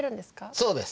そうです！